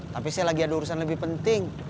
tapi saya lagi ada urusan lebih penting